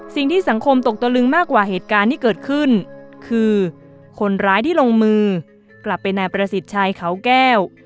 สิ่งที่สังคมตกตะลึงมากกว่าเหตุการณ์ที่เกิดขึ้นคือคนร้ายที่ลงมือกลับไปนายประสิทธิ์ชัยเขาแก้ว